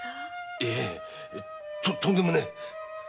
いえとんでもねえ！